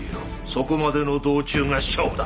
そこまでの道中が勝負だ。